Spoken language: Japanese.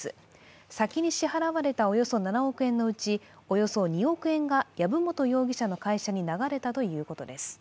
先に支払われたおよそ７億円のうちおよそ２億円が籔本容疑者の会社に流れたということです。